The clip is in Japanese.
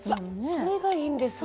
それがいいんですよ。